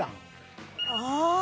ああ。